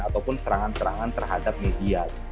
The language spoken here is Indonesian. ataupun serangan serangan terhadap media